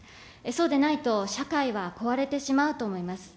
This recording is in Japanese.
そうでないと社会は壊れてしまうと思います。